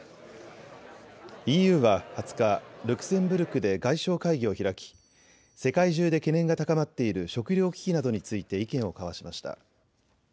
ＥＵは２０日、ルクセンブルクで外相会議を開き世界中で懸念が高まっている食料危機などについて意見を交わしました。